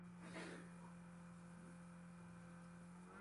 Con el grado de mayor, hizo las primeras campañas de la Guerra del Pacífico.